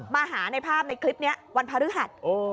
มาหาในภาพในคลิปนี้วันพระฤทธิ์